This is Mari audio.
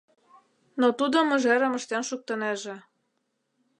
Но тудо мыжерым ыштен шуктынеже.